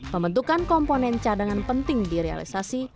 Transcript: pembentukan komponen cadangan penting di realisasi